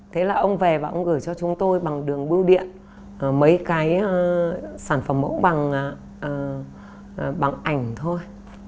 thế là ông về và ông gửi cho chúng tôi bằng đường bưu điện mấy cái sản phẩm mẫu bằng ảnh thôi